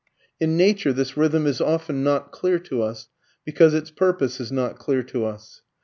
In nature this rhythm is often not clear to us, because its purpose is not clear to us.